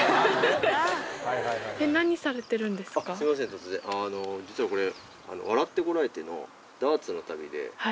突然実はこれ。